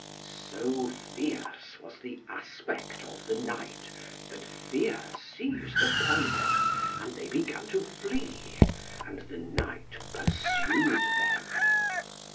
So fierce was the aspect of the knight, that fear seized upon them, and they began to flee. And the knight pursued them.